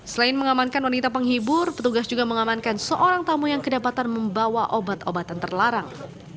selain mengamankan wanita penghibur petugas juga mengamankan seorang tamu yang kedapatan membawa obat obatan terlarang